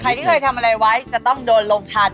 ที่เคยทำอะไรไว้จะต้องโดนลงทัน